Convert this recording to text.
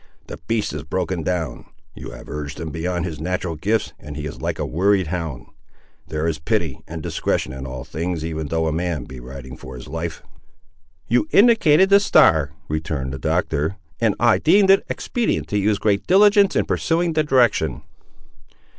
The beast is broken down! you have urged him beyond his natural gifts, and he is like a worried hound. There is pity and discretion in all things, even though a man be riding for his life." "You indicated the star," returned the Doctor, "and I deemed it expedient to use great diligence in pursuing the direction."